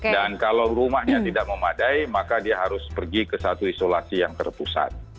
dan kalau rumahnya tidak memadai maka dia harus pergi ke satu isolasi yang terpusat